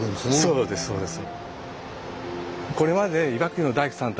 そうですそうです。